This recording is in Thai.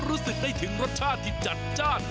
รู้สึกได้ถึงรสชาติที่จัดจ้าน